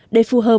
để phù hợp